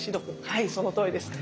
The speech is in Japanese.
はいそのとおりです。